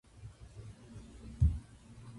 美容院で、髪を染めて来た。